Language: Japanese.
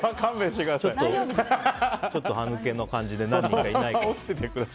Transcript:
ちょっと歯抜けの感じで何人かいないかも。